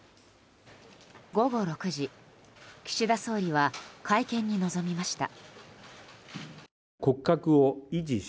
午後６時、岸田総理は会見に臨みました。